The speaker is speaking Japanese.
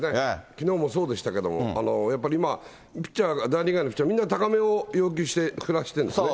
きのうもそうでしたけども、やっぱりピッチャーが、大リーガーの人、みんな高めを要求してふらしてるんですよね。